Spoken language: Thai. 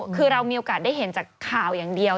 คือเรามีโอกาสได้เห็นจากข่าวอย่างเดียว